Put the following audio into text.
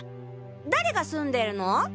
誰が住んでるの？